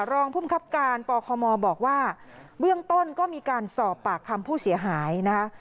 รองภูมิครับการปคมบอกว่าเบื้องต้นก็มีการสอบปากคำผู้เสียหายนะคะ